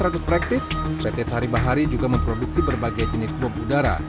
selain p seratus practice pt sari bahari juga memproduksi berbagai jenis bom udara